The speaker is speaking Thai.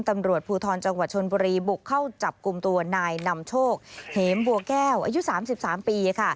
ตำรวจภูทรจังหวัดชนบุรีบุกเข้าจับกลุ่มตัวนายนำโชคเหมบัวแก้วอายุ๓๓ปี